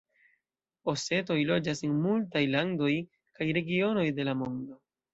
Osetoj loĝas en multaj landoj kaj regionoj de la mondo.